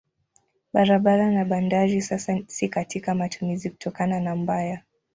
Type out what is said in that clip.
Barabara na bandari sasa si katika matumizi kutokana na mbaya.